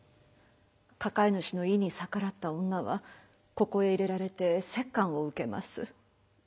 抱え主の意に逆らった女はここへ入れられて折檻を受けます。